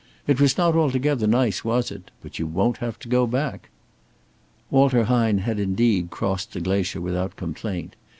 It was not altogether nice, was it? But you won't have to go back." Walter Hine had indeed crossed the glacier without complaint.